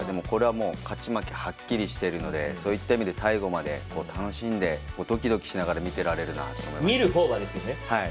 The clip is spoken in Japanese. これはもう勝ち負け、はっきりしているのでそういった意味で最後まで楽しんでどきどきしながら見ていられるな見るほうがですよね。